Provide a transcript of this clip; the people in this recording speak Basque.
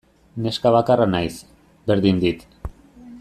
Neska bakarra naiz, berdin dit.